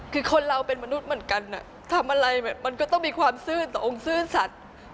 คือคนเราเป็นมนุษย์เหมือนกันทำอะไรมันก็ต้องมีความซื่อต่อองค์ซื่อสัตว์